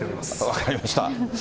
分かりました。